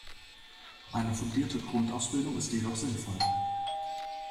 Eine fundierte Grundausbildung ist jedoch sinnvoll.